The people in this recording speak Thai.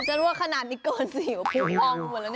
จริงว่าขนาดนี้เกิดสิวพูดป้องหมดแล้วเนี่ย